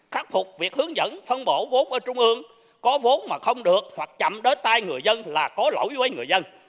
khắc phục việc hướng dẫn phân bổ vốn ở trung ương có vốn mà không được hoặc chậm đối tai người dân là có lỗi với người dân